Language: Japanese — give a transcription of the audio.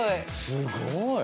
すごい。